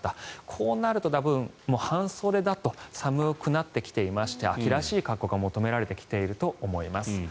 こうなると半袖だと寒くなってきていまして秋らしい格好が求められてきていると思います。